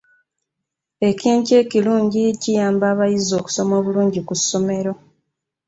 Ekyenkya ekirungi kiyamba abayizi okusoma obulungi ku ssomero.